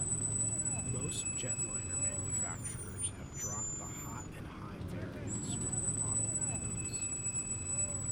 Most jetliner manufacturers have dropped the "hot and high" variants from their model lineups.